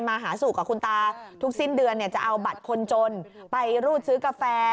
มาหาสู่กับคุณตาทุกสิ้นเดือนเนี่ยจะเอาบัตรคนจนไปรูดซื้อกาแฟ